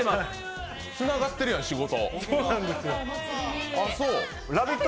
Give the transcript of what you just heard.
つながってるやん、仕事。